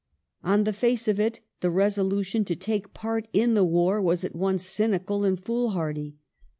On the face of it, the resolution to take part in the war was at once cynical and fool hardy.